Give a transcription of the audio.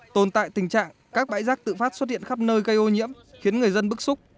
tồn tại tình trạng các bãi rác tự phát xuất hiện khắp nơi gây ô nhiễm khiến người dân bức xúc